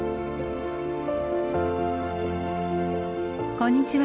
こんにちは。